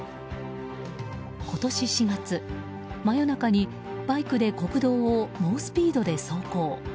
今年４月、真夜中にバイクで国道を猛スピードで走行。